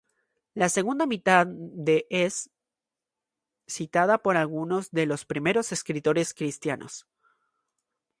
La segunda mitad de es citada por algunos de los primeros escritores cristianos.